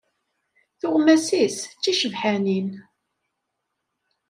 Tuɣmas-is d ticebḥanin.